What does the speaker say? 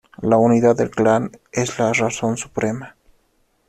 La unidad del clan es la razón suprema.